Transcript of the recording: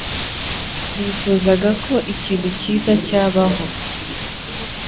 Nifuzaga ko ikintu cyiza cyabaho.